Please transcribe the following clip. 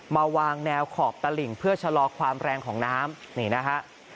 มาวางแนวขอบตลิ่งเพื่อชะลอความแรงของน้ำนี่นะฮะ